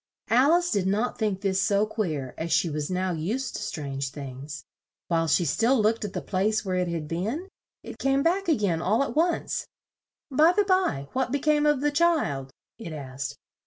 Al ice did not think this so queer as she was now used to strange things. While she still looked at the place where it had been, it came back a gain, all at once. "By the by, what be came of the child?" it asked.